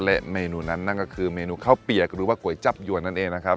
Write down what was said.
และเมนูนั้นนั่นก็คือเมนูข้าวเปียกหรือว่าก๋วยจับยวนนั่นเองนะครับ